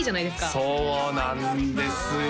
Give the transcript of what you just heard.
そうなんですよ